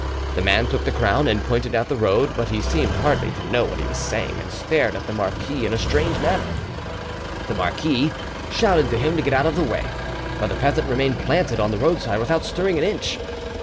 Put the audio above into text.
The man took the crown and pointed out the road, but he seemed hardly to know what he was saying, and stared at the marquis in a strange manner. The marquis shouted to him to get out of the way; but the peasant remained planted on the roadside without stirring an inch.